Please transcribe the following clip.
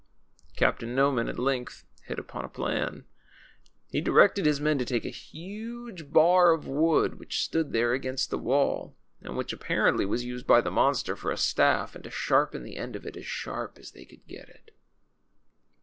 Captain Noman at length hit upon a plan. He directed his men to take a huge bar of wood which stood there against the wall and which apparently was used by the monster for a staff, and to sharpen the end of it as sharp as they could get it.